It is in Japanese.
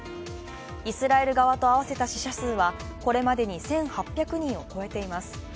イスラエル側と合わせた死者数はこれまでに１８００人を超えています。